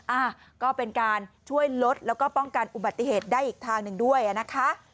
อ่ะก็เป็นการช่วยลดแล้วก็ป้องกันอุบัติเหตุได้อีกทางหนึ่งด้วยนะคะ